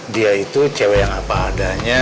dia itu cewek yang apa adanya